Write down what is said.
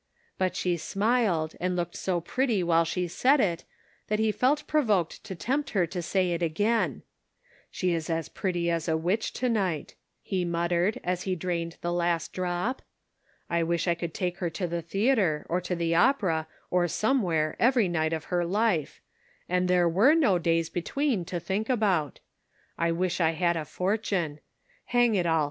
But she smiled, and looked so pretty while she said it, that he felt provoked to tempt her to say it again. " She is as pretty as a witch 274 The Pocket Measure. to night," he muttered, as he drained the last drop. " I wish I could take her to the theater, or the opera, or somewhere every night of her life, and there were no days between to think about. I wish I had a fortune. Hang it all